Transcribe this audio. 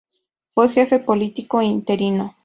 Fue Jefe Político interino.